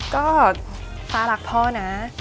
ก็ฟ้ารักพ่อนะ